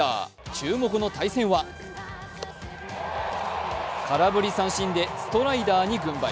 注目の対戦は空振り三振でストライダーに軍配。